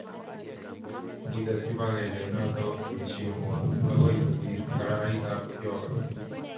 kites kibagengeinoto boishengwai akoi kosir arairaitab kyoga